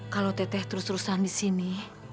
kalau teteh terus terusan di sini